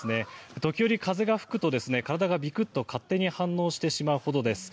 時折、風が吹くと体がびくっと勝手に反応してしまうほどです。